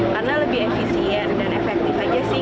karena lebih efisien dan efektif aja sih